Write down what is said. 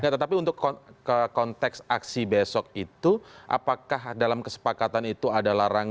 tetapi untuk konteks aksi besok itu apakah dalam kesepakatan itu ada larangan